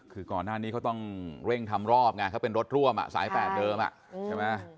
คือก่อนหน้านี้เขาต้องเร่งทำรอบไงเขาเป็นรถร่วมสาย๘เดิมใช่ไหม